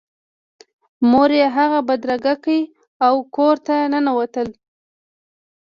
مور یې هغه بدرګه کړ او کور ته ننوتل